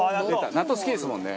納豆好きですもんね。